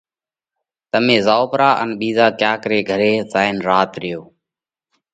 تمي زائو پرا ان ٻِيزا ڪياڪ ري گھري زائينَ رات ريو۔